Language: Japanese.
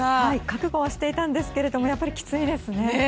覚悟をしていたんですけれどもやっぱりきついですね。